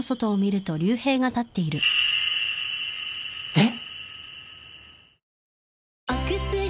えっ！？